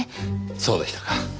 そうでしたか。